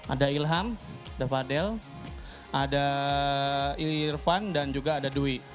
ada ilham ada fadel ada ili irfan dan juga ada dwi